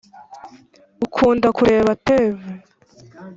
ukunda kureba tv?